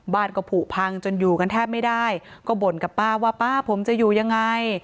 บ้านก็ผูกพังจนอยู่กันแทบไม่ได้ก็บ่นกับป้าว่าป้าผมจะอยู่ยังไง